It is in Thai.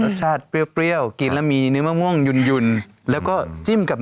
รสชาติเปรี้ยวเปรี้ยวกินแล้วมีเนื้อมะม่วงหยุ่นหยุ่นแล้วก็จิ้มกับ